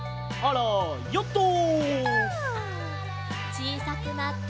ちいさくなって。